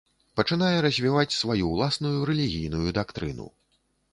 Пачынае развіваць сваю ўласную рэлігійную дактрыну.